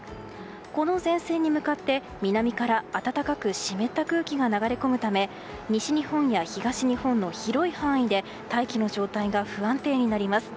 この前線に向かって南から暖かく湿った空気が流れ込むため西日本や東日本の広い範囲で大気の状態が不安定になります。